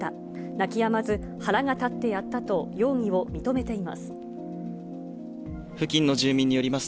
泣き止まず、腹が立ってやったと容疑を認めています。